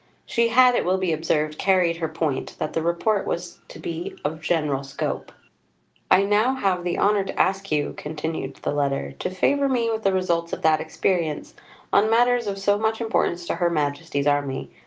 She had, it will be observed, carried her point, that the Report was to be of general scope. "I now have the honour to ask you," continued the letter, "to favour me with the results of that experience, on matters of so much importance to Her Majesty's Army.